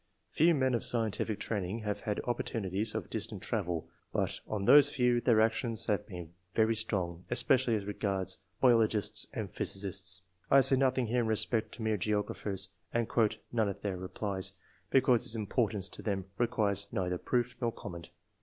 Few men of scientific training have had op portunities of distant travel, but on those few their action has been very strong, especially as regards biologists and physicists. I say nothing here in respect to mere geographers, and quote . none of their replies, because its importance to them requires neither proof nor comment.